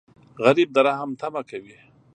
غریب د رحم تمه کوي